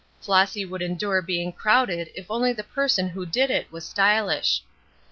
Flossy would endure being crowded if only the person who did it was stylish.